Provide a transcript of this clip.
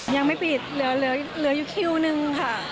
ยังไม่ปิดเหลืออยู่คิวนึงค่ะ